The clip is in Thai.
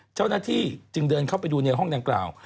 เจ้าหน้าที่จึงเดินเข้าไปดูในห้องดังกล่าว